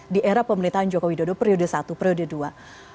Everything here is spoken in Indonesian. di era pemerintahan jokowi dodo periode satu periode dua